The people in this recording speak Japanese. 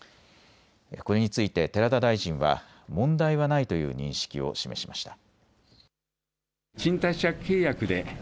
これについて寺田大臣は問題はないという認識を示しました。